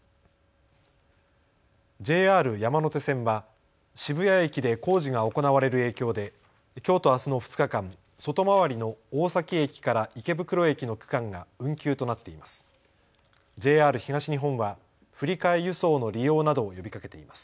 ＪＲ山手線は渋谷駅で工事が行われる影響で、きょうとあすの２日間外回りの大崎駅から池袋駅の区間が運休となっています。